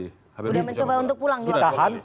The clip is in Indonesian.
sudah mencoba untuk pulang